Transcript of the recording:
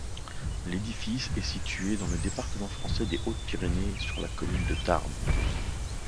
L'édifice est situé dans le département français des Hautes-Pyrénées, sur la commune de Tarbes.